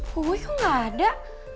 buku gue kok gak ada